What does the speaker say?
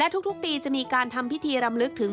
ทุกปีจะมีการทำพิธีรำลึกถึง